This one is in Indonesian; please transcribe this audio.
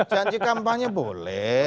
janji kampanye boleh